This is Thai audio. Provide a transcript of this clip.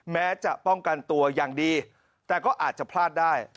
แม้จะป้องกันตัวอย่างดีแต่ก็อาจจะพลาดได้